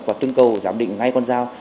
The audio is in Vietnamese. và tương cầu giám định ngay con dao